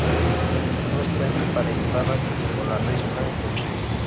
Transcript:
No está emparentada con la riesling del Rin.